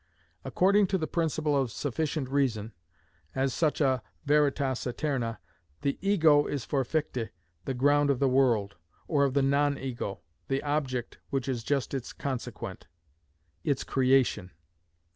According to the principle of sufficient reason, as such a veritas aeterna, the ego is for Fichte the ground of the world, or of the non ego, the object, which is just its consequent, its creation.